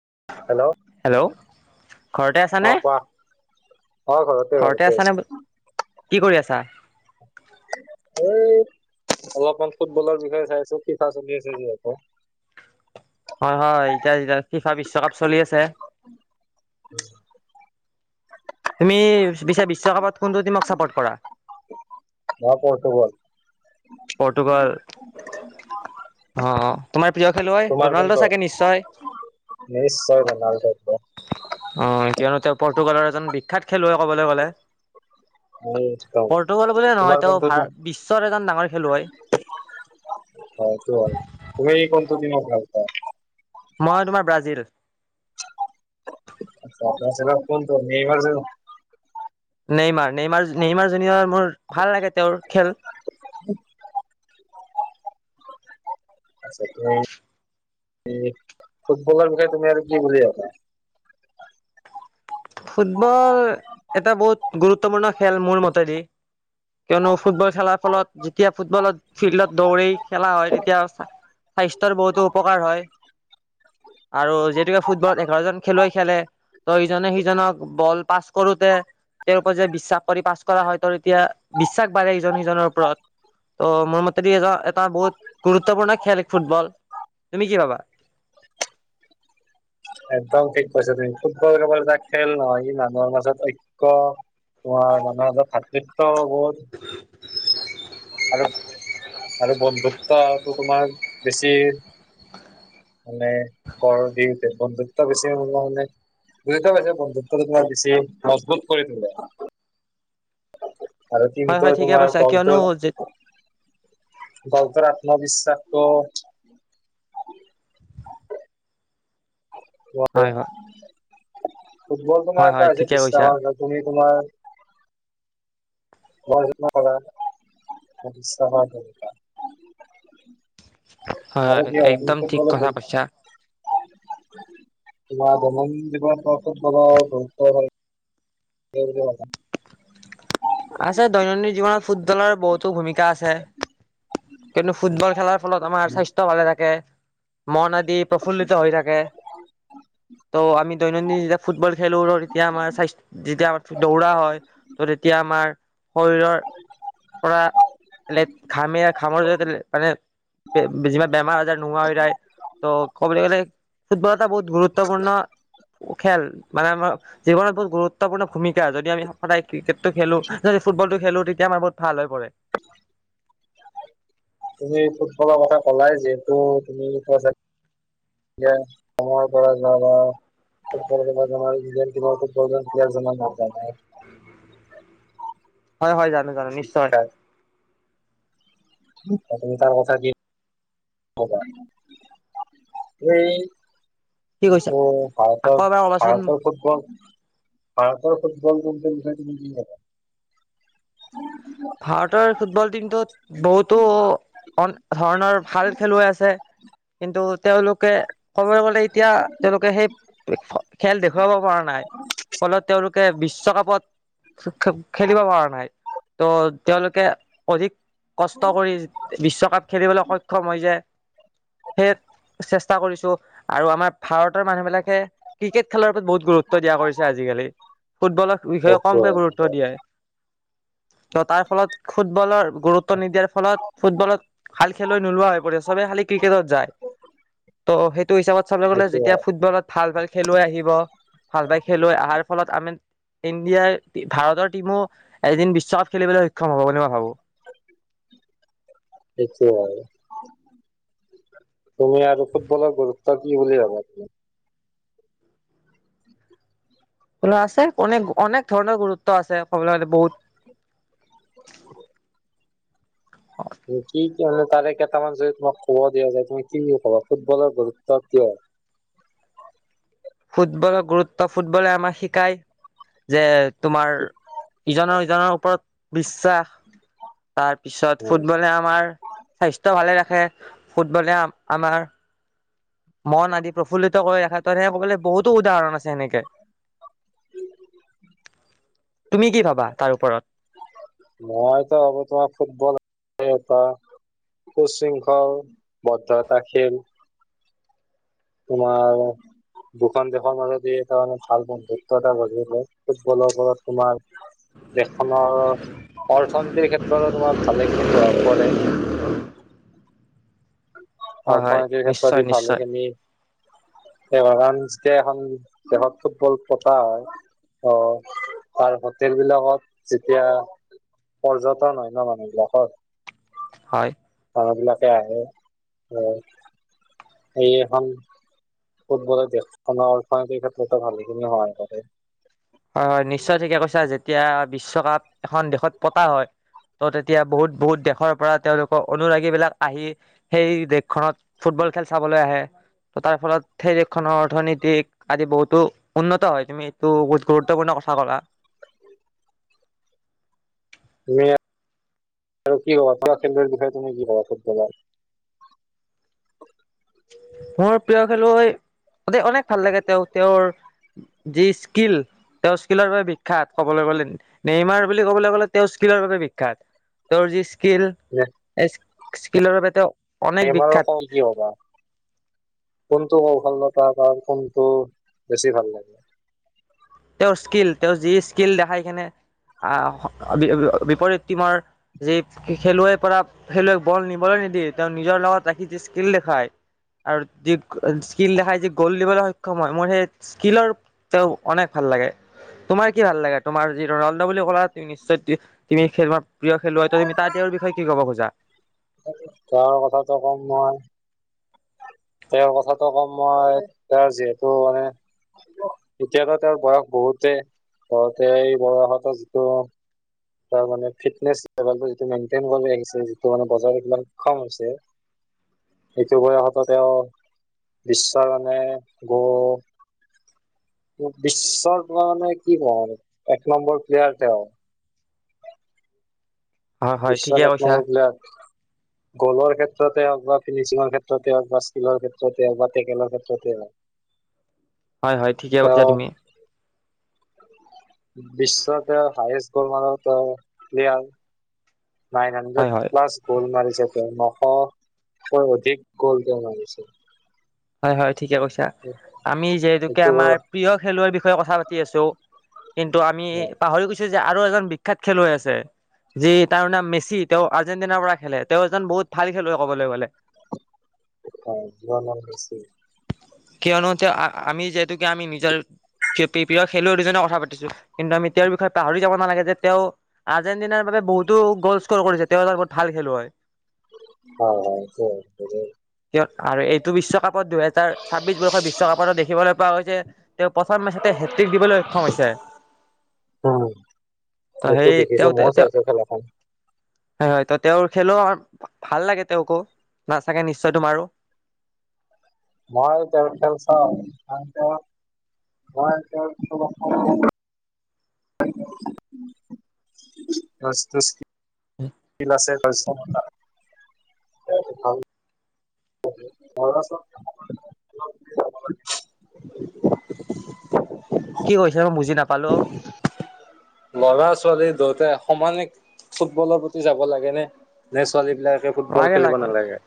[unintelligible] Hello ঘৰতে আছ নে হয় ঘৰতে ঘৰতে কি কৰি আছা এই অলপমান ফুটবলৰ বিষয়ে চাইছো ফিফা চলি আছে যিহেতু হয় হয় এতিয়া এতিয়া ফিফা বিশ্বকাপ চলি আছে তুমি পিছে বিশ্বকাপত কোনটো টিমক চাপৰ্ট কৰা মই পৰ্তুগল পতুগাল অ' তোমাৰ প্ৰিয় খেলুৱৈ তোমাৰ ৰনাল্ডো কোনটো চাগে নিশ্চয় নিশ্চয় ৰনাল্ড' একদম অঁ কিয়নো তেওঁ পৰ্তুগালৰ এজন বিখ্যাত খেলুৱৈ ক'বলৈ গ'লে পৰ্তুগাল বুলিয়ে নহয় তেও ভা বিশ্বৰ এজন ডাঙৰ খেলুৱৈ অঁ কি হয় তুমি ক [unintelligible] মই তোমাৰ ব্ৰাজিল [unintelligible] নেইমাৰ নেইমাৰ নেইমাৰজন মোৰ ভাল লাগে তেওঁৰ খেল ফুটবল বিষয়ে তুমি আৰু কি বুলি ভাবা ফুটবল এটা বহুত গুৰুত্বপূৰ্ণ খেল মোৰ মতেদি কিয়নো ফুটবল খেলাৰ ফলত যেতিয়া ফুটবলত ফিল্ডত দৌৰি খেলা হয় তেতিয়া স্বাস্থ্যৰ বহুতো উপকাৰ হয় আৰু যিহেতুকে ফুটবলত এঘাৰজন খেলুৱৈ খেলে ত ইজনে সিজনক বল পাছ কৰোতে তেওঁৰ ওপৰত যে বিশ্বাস কৰি পাছ কৰা হয় ত তেতিয়া বিশ্বাস বাঢ়ে ইজন সিজনৰ ওপৰত ত' মোৰ মতে এজন এটা বহুত গুৰুত্বপূৰ্ণ খেল ফুটবল তুমি কি ভাবা একদম ঠিক কৈছা তুমি ফুটবল কেবল এটা খেল নহয় ই মানুহৰ মাজত ঐক্য তোমাৰ মানুহৰ মাজত ভাতৃত্ববোধ আৰু আৰু বন্ধুত্বটো তোমাৰ বেছি মানে গঢ় দি উঠে বন্ধুত্ব বেছি ম মানে বুজিটো পাইছা বন্ধুত্বটো তোমাৰ বেছি মজবুত কৰি তোলে আৰু হয় তিমটো হয় ঠিকে তোমাৰ কৈছা বলটো কিয়নো বলটো অন্ধবিশ্বাস অহ। হয়। ফুটবল তোমাৰ হয় হয় এটা হৈছে ঠিকে কৈছা বিশ্বাস তুমি। তোমাৰ। প চ হয়, একদম ঠিক কথা কৈছা। তোমাৰ জনম দিৱসৰ খুব বৰ গুৰুত্ব হয়। দেৰ। আছে দৈনন্দিন জীৱনত ফুটবলৰ বহুতো ভূমিকা আছে। কিন্তু ফুটবল খেলাৰ ফলত আমাৰ স্বাস্থ্য ভালে থাকে। মন আদি প্ৰফুল্লিত হৈ থাকে ত' আমি দৈনন্দিন যেতিয়া ফুটবল খেলো তেতিয়া আমাৰ স্বাস্থ যেতিয়া আমাৰ দৌৰা হয় ত' তেতিয়া আমাৰ। শৰীৰৰ পৰা লেট ঘামে। জতে মানে যিমান বেমাৰ আজাৰ নোহোৱা হৈ যায় ত' ক'বলৈ গ'লে ফুটবল এটা বহুত গুৰুত্বপূৰ্ণ খেল মানে আমাৰ জীৱনত বহুত গুৰুত্বপূৰ্ণ ভূমিকা যদি আমি সদায় ক্ৰিকেটটো খেলো যদি ফুটবলটো খেলো তেতিয়া আমাৰ বহুত ভাল হৈ পৰে। তুমি ফুটবলৰ কথা কলাই যিহেতু তুমি। হয়, হয় জানো। আমি জানো নিশ্চয়। বিখ্যাত তাৰ কথা কি কবা এই। কি কৈছা কিন্তু আকৌ ভাৰতৰ, এবাৰ ক'বাচোন ভাৰতৰ ফুটবল। ভাৰতৰ ফুটবল বিষয়ে তুমি কি কবা। ভাৰতৰ ফুটবল টিমটোত বহুতো অন ধৰণৰ ভাল খেলুৱৈ আছে কিন্তু তেওঁলোকে। ক'বলৈ গলে এতিয়া তেওঁলোকে সেই খেল দেখুৱাব পৰা নাই ফলত তেওঁলোকে বিশ্বকাপত খে খেলিব পৰা নাই। অ তেওঁলোকে অধিক কষ্ট কৰি বিশ্বকাপ খেলিবলৈ সক্ষম হৈ যায়, সেই চেষ্টা। কৰিছো আৰু আমাৰ ভাৰতৰ মানুহ বিলাক। ক্ৰিকেট খেলাৰ ওপৰত বহুত গুৰুত্ব। গুৰুত্ব দিয়া কৰিছে আজিকালি। ফুটবলৰ বিষয়ে কওকচোন কমকে গুৰুত্ব অলপ। দিয়ে। ত তাৰ ফলত ফুটবলৰ গুৰুত্ব নিদিয়াৰ ফলত ফুটবলত। খাল খেলৈ নোলোৱা হৈ পৰে চবেই খালি ক্ৰিকেটত যায় ত' সেই। টো হিচাপত চাব গলে সেইটোৱে যেতিয়া ফুটবলত ভাল ভাল। খেলুৱৈ আহিব ভাল পাই খেলুৱৈ আহাৰ ফলত আমি ইণ্ডিয়াৰ ভাৰতৰ টিমো এদিন বিশ। চব খেলিবলৈ সক্ষম হ'ব বুলি মই ভাবো। সেইটো আৰু তুমি আৰু ফুটবলৰ গুৰুত্ব কি বুলি ভাবা। আছে অনেক অনেক ধৰণৰ গুৰুত্ব আছে ক'বলৈ গ'লে বহুত। নেকি। ে তাৰে কেইটামান যদি তোমাক খবৰ দিয়া যায় তুমি কি খবা ফুটবলৰ গুৰুত্ব কিয় ফুটবলৰ গুৰুত্ব ফুটবলে আমাক শিকায় যে তোমাৰ ইজনৰ জনৰ ওপৰত বিশ্ব বিশাস তাৰপিছত উম, ফুটবলে আমাৰ স্বাস্থ্য ভালে ৰাখে ফুটবলে আমাৰ মন আদি প্ৰফুল্লিত কৰি ৰাখা ত সেই সকলে বহুতো উদাহৰণ আছেনেকে তুমি কি ভাবা তাৰ ওপৰত মইতোব তোমাৰ ফুটবল এটা উশৃংখল বদ্ধতা খেল তোমাৰ দুখন দেশৰ মাজতে এটা মানে ভাল বন্ধুত্ব এটা গঢ়ি ফুটবলৰ ওপৰত তোমাৰ দেশখনৰ অৰ্থনীতিৰ ক্ষেত্ৰত তোমাৰ ভালে খিনি প্ৰভাৱ পৰে হয় হয় অৰ্থনীতিৰ নিশ্চয় ক্ষেত্ৰত ই নিশ্চয় ভালেখিনি স কাৰণ যেতিয়া এখন দেশত ফুটবল পতা হয় আহ তাৰ হোটেল বিলাকত যেতিয়া পৰ্যটন হয় ন মানুহবিলাকত হয় মহ বিলাকে আহে এই এখন ফুটবলে দেশখনৰ অৰ্থনৈতিক ক্ষেত্ৰতেো ভালেখিনি সহায় কৰে হয় হয় নিশ্চয় ঠিকে কৈছা যেতিয়া বিশ্বকাপ এখন দেশত পতা হয় ত' তেতিয়া বহুত বহুত দেশৰ পৰা তেওঁলোকৰ অনুৰাগী বিলাক আহি সেই দেশ খনত ফুটবল খেল চাবলৈ আহে ত তাৰ ফলত সেই দেশখনৰ অৰ্থনীতিক আদি বহুতো উন্নত হয় তুমি এইটো গুৰুত্বপূৰ্ণ কথা ক'লা তুমি আৰু কি হবা খা খেলৰ বিষয়ে তুমি কি হবা সত্যবাৰ মোৰ প্ৰিয় খেলুৱৈ অ অনেক ভাল লাগে তেওঁ তেওঁৰ যি স্কিল তেওঁৰ স্কিলৰ বাবে বিখ্যাত কবলৈ গ'লে নেইমাৰ বুলি ক'বলৈ গ'লে তেওঁৰ স্কিলৰ বাবে বিখ্যাত তেওঁৰ যি স্কিল স্কিলৰ বাবে তেওঁ অনেক বেমাৰৰ বিখ্যাত ক কি হ'বা কোনটো কৌ ভাল লগতা আৰু কোনটো বেছি ভাল লাগে তেওঁৰ স্কীিল তেওঁৰ যি স্কীিল দেখাই কিনে বিপৰীত টিমৰ যি খেলুৱৈৰ পৰা খেলুৱৈক বল নিবলৈ নিদিয়ে তেওঁ নিজৰ লগত ৰাখি যি স্কিল দেখায় আৰু যি স্কীিল দেখাই যি গ'ল দিবলৈ সক্ষম হয় মোৰ সেই স্কীিলৰ তেওঁ অনেক ভাল লাগে তোমাৰ কি ভাল লাগে তোমাৰ আজি ৰনাল্ডো বুলি ক'া নিশ্চয় তুমি খেলবা প্ৰিয় খেলুৱৈ তুমি তাৰ তেওঁৰ বিষয়ে কি কব খোজা তাৰ কথাটো কম মই তেওঁৰ কথাটো ক'ম মই তেওঁৰ যিহেতু মানে এতিয়াতো তেওঁৰ বয়স বহুতেই ঘতে এই বয়সতো যিটো তেওঁ মানে ফিটনেচ লেভেল যিটো মেইনটেইন কৰি আহিছে যিটো মানে বজাৰ কিমান কম হৈছে সেইটো বয়সত তেওঁ বিশ্বৰ মানে গ বিশ্বৰ মানে কি কওঁ এক নম্বৰ প্লেয়াৰ তেওঁ হয় হয় বিশ্ব ঠিকে কৈছা লখ্নিল গ'লৰ ক্ষেত্ৰতে হওক বা ফিনিচিঙৰ ক্ষেত্ৰতে হওক বা স্কিলৰ ক্ষেত্ৰতে হওক বা টেকেলৰ ক্ষেত্ৰতে হওক হয় হয় ঠিকে প তেওঁ চাদমি বিশ্বতে হায়েষ্ট গ'ল মাৰ প্লেয়াৰ নাইন হণ্্ৰ হয় হয় ক্লাছ স্ুল ম নশতকৈ অধিক গ'ল তেওঁ মাগিছে হয় হয়। ঠিকে কৈছা আমি যিহেতুকে এইটো আমাৰ প্ৰিয় খেলুৱৈৰ বিষয়ে কথা পাতি আছো কিন্তু আমি পাহৰি গৈছো যে আৰু এজন বিখ্যয়াত খেলুৱৈ আছে যি তাৰ নাম মেচি তেওঁ আৰ্জেণ্টিনাৰ পৰা খেলে তেওঁ এজন বহুত ভাল খেলুৱৈ ক'বলৈ গ'লে। জীৱনৰ বেছি কিয়নোতে আ-আমি যিহেতুকে আমি নি জিয়াউল প্ৰিয় খেলুৱৈ দুজনৰ কথা পাতিছো কিন্তু আমি তেওঁৰ বিষয়ে পাহৰি যাব নালাগে যে তেওঁ আৰ্জেণ্টিনাৰ বাবে বহুতো গ'ল স্ক'ৰ কৰিছে তেওঁ এজন বহুত ভাল খেলুৱৈ অ হয় স কিয় আৰু এইটো বিশ্বকাপত দুহেজাৰ ছাব্বিশ বৰ্ষৰ বিশ্বকাপতো দেখিবলৈ পোৱা গৈছে তেওঁ প্ৰথম মেচতে হেট্ৰিক দিবলৈ সক্ষম হৈছে উম ত সেইটো সেই দেখিছো তেওঁ ময় তেওঁ চাইছো খেলাখন হয় হয় তো তেওঁৰ খেলো ভাল লাগে তেওঁকো নাচাকে নিশ্চয় তোমাৰো মই তেওঁৰ খেল চাওঁ মই তেওঁৰ খেল বচ তছ বিল আছে ঘৰচমতা মনছক কি কৈছে মই বুজি নাপালো ল'ৰা ছোৱালী দুয়োটাই সমানে ফুটবলৰ প্ৰতি যাব লাগে নে নে ছোৱালী এইলাকে ফুটবল লাগে খেলিব লাগে নালাগে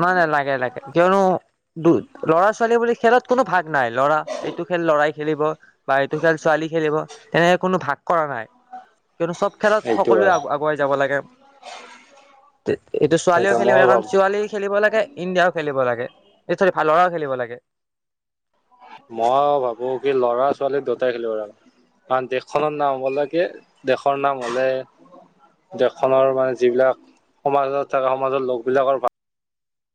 নাই নাই লাগে লাগে কিয়নো ল'ৰা ছোৱালী বুলি খেলত কোনো ভাগ নাই লৰা এইটো খেল লৰাই খেলিব বা এইটো খেল ছোৱালী খেলিব তেনেকে কোনো ভাগ কৰা নাই কিয়নো চব খেলত সেইটো সকলোৱে হয় আগুৱাই যাব লাগে এইটো ছোৱালীয়েও সেইটো খেলিব মই ন কাৰণ ভাবো ছোৱালী দিব লাগে ইণ্ডিয়া খেলিব লাগে ভাল ল'ৰাও খেলিব লাগে মই ভাবো কি ল'ৰা ছোৱালী দুটাই খেলিব লাগে আৰু দেশখনৰ নাম হব‌ লাগে দেশৰ নাম হলে দেশখনৰ মানে যিবিলাক সমাজত থাকে সমাজৰ লোকবিলাকৰ ভাল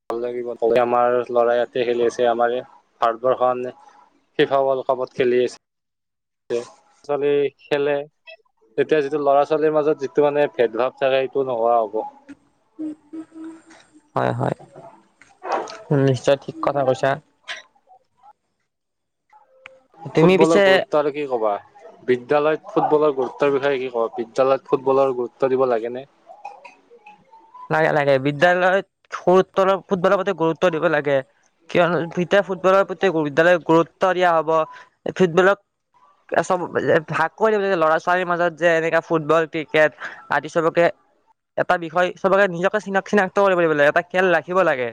ভাল লাগিব ক'বলে আমাৰ ল'ৰাই ইয়াতে খেলি আছে আমাৰে, ভাৰতবৰ্ষ ফিফা ৱৰ্ল্ড কাপত খেলি [inaudible] ল'ৰা ছোৱালী খেলে, তেতিয়া যিটো ল'ৰা ছোৱালীৰ মাজত যিটো মানে ভেদ ভাৱ থাকে সেইটো নোহোৱা হ'ব। উম উম উম হয় হয় নিশ্চয় ঠিক কথা কৈছা তুমি ফুটবলৰ পিছে গুৰুত্ব আৰু কি ক'বা বিদ্যালয়ত ফুটবলৰ গুৰুত্বৰ বিষয়ে কি কব বিদ্যালয়ত ফুটবলৰ গুৰুত্ব দিব লাগেনে লাগে লাগে বিদ্যালয়ত ফুট বল ফুটবলৰ প্ৰতি গুৰুত্ব দিব লাগ গে কিয়নো এতিয়া ফুটবলৰ প্ৰতি বিদ্যালয়ক গুৰুত্ব দিয়া হব ফুটবলক চব ভাগ কৰি দিব ল'ৰা ছোৱালীৰ মাজত যে এনেকা ফুটবল ক্ৰিকেট আদি চবকে এটা বিষয় চবকে নিজকে চিনাক চিনাক্ত কৰিব দিব লাগে এটা খেল ৰাখিব লাগে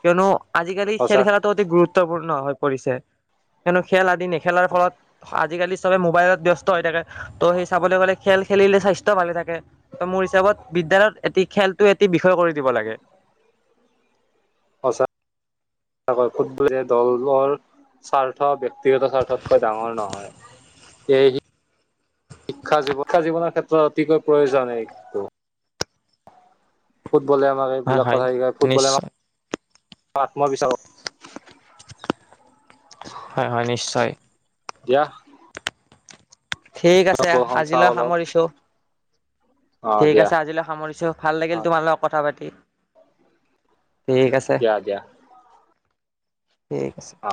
কিয়নো আজিকালি খেল সঁচা খেলাটো অতি গুৰুত্বপূৰ্ণ হয় কৰিছে হেনো খেল আদি নেখেলাৰ ফলত আজিকালি চবে মোবাইলত ব্যস্ত হৈ থাকে ত' সেই চাবলৈ গলে খেল খেলিলে স্বাস্থ্যভালে থাকে ত' মোৰ হিচাপত বিদ্যালয়ত এটি খেলটো এটি বিষয় কৰি দিব লাগে [unintelligible] ফুটবলে দলৰ স্বাৰ্থ ব্যক্ত ব্যক্তিগত স্বাৰ্থতকৈ ডাঙৰ নহয়। এই সি শিক্ষা জীৱনৰ ক্ষেত্ৰত অতিকৈ প্ৰয়োজন এইটো। ফুটবলে আমাক হয় এইবিলাক হয় কথা শিকাই, ফুটবলে আমাক নিশ্চয় আত মই বিচাৰো। হয়-হয় নিশ্চয়। দিয়া। ঠিক আছে, বৰষুণ চাওঁ আজিলৈ অলপ সামৰিছো। অ ঠিক দিয়া আছে আজিলৈ সামৰিছো, ভাল অ লাগিল তোমাৰ লগত কথা পাতি। ঠিক আছে। দিয়া দিয়া ঠিক আছে। অ।